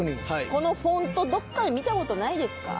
このフォントどっかで見たことないですか？